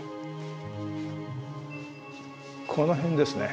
この辺ですね。